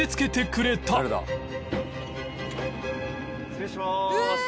失礼しまーす。